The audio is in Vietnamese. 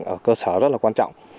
ở cơ sở rất là quan trọng